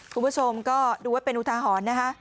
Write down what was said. คุณผู้ชมก็ดูไว้เป็นอุทาหรณ์นะคะ